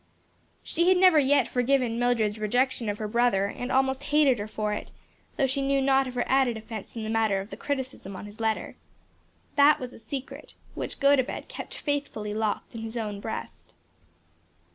She had never yet forgiven Mildred's rejection of her brother and almost hated her for it, though she knew naught of her added offense in the matter of the criticism on his letter. That was a secret which Gotobed kept faithfully locked in his own breast.